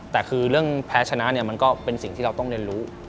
แต่คือเรื่องแพ้ชนะเนี่ยมันก็เป็นสิ่งที่เราต้องเรียนรู้